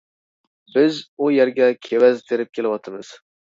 بىز ئۇ يەرگە كېۋەز تېرىپ كېلىۋاتىمىز.